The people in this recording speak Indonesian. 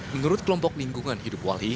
menurut kelompok lingkungan hidup wali